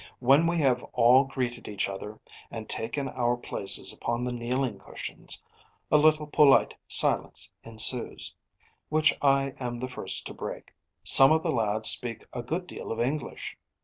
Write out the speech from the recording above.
When we have all greeted each other, and taken our places upon the kneeling cushions, a little polite silence ensues, which I am the first to break. Some of the lads speak a good deal of English.